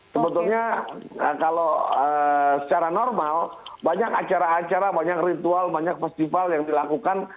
sebetulnya kalau secara normal banyak acara acara banyak ritual banyak festival yang dilakukan